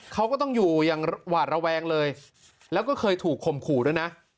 เขาก็ต้องอยู่อย่างหวาดระแวงเลยแล้วก็เคยถูกข่มขู่ด้วยนะ